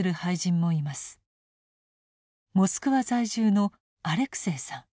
モスクワ在住のアレクセイさん。